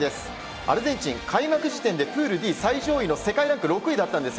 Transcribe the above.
アルゼンチン、開幕時点でプールＤ最上位の世界ランク６位だったんです。